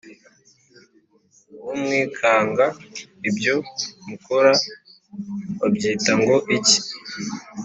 uwo mwikanga Ibyo mukora babyita ngo iki